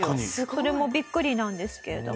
それもビックリなんですけれども。